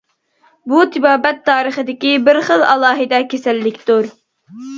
بۇ تېبابەت تارىخىدىكى بىر خىل ئالاھىدە كېسەللىكتۇر.